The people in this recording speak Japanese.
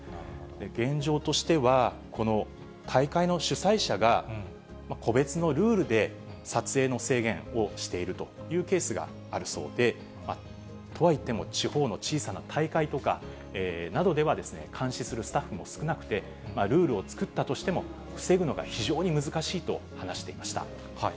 現状としては、この大会の主催者が個別のルールで撮影の制限をしているというケースがあるそうで、とはいっても、地方の小さな大会とかなどでは、監視するスタッフも少なくて、ルールを作ったとしても、防ぐのが非常に難しいと話していました。